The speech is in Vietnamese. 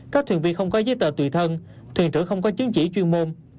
các thuyền viên không có giấy tờ tùy thân thuyền trưởng không có chứng chỉ chuyên môn